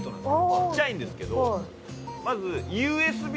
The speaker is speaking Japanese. ちっちゃいんですけど。